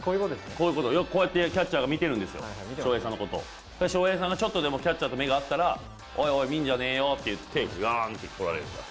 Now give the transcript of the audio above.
こうやってキャッチャーが見てるんですよ、翔平さんのことを翔平さんが少しでもキャッチャーと目が合ったらおいおい見んじゃねえよって、がーんって来られるから。